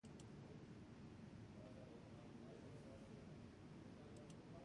Urte horietan guztietan bere burua topatu nahian ibili dela sentitu dugu.